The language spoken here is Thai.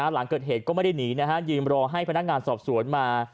หลังเกิดเหตุก็ไม่ได้หนียืมรอให้พนักงานสอบสวนมา